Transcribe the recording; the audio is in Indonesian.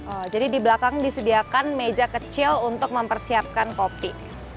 oh jadi di belakang disediakan meja kecil untuk mempersiapkan kopi